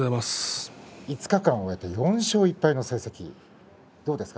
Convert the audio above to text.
５日間を終えて４勝１敗の成績どうですか？